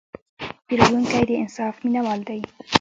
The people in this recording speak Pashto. پیرودونکی د انصاف مینهوال دی.